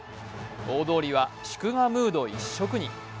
大通りは祝賀ムード一色に。